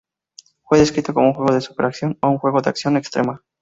Fue descrito como un "juego de super acción" O un "juego de acción extrema".